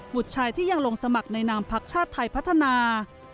บุตรชายที่ยังลงสมัครในนามพักชาติไทยพัฒนา